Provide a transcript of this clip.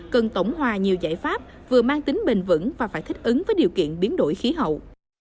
cần tổng hòa nhiều giải pháp vừa mang tính bền vững và phải thích ứng với điều kiện biến đổi khí hậu